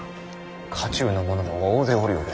家中の者も大勢おるようですな。